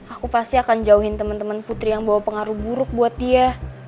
aku pasti akan jauhin teman teman putri yang bawa pengaruh buruk buat dia